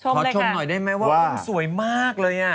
ชมเลยค่ะว่าขอชมหน่อยได้ไหมว่าน้องสวยมากเลย